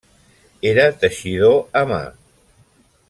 Era teixidor a mà.